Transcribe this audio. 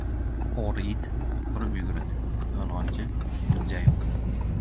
• O‘g‘ri it hurib yuguradi, yolg‘onchi ― tirjayib.